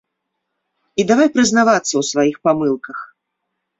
І давай прызнавацца ў сваіх памылках.